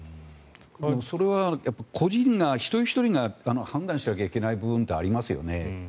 それは個人が一人ひとりが判断しなきゃいけない部分ってありますよね。